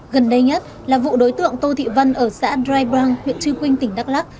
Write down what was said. gần đây nhất là vụ đối tượng tô thị vân ở xã raibrang huyện trư quynh tỉnh đắk lắc